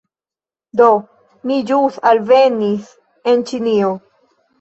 Do, mi ĵus alvenis en ĉinio